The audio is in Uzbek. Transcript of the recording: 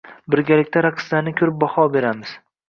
Birgalikda raqslarni ko‘rib baho beramiz.